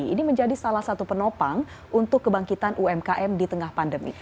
ini menjadi salah satu penopang untuk kebangkitan umkm di tengah pandemi